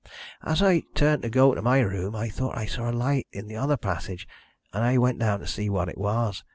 "As I turned to go to my room, I thought I saw a light in the other passage, and I went down to see what it was.